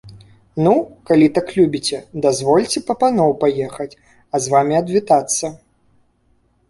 Ну, калі так любіце, дазвольце па паноў паехаць, а з вамі адвітацца.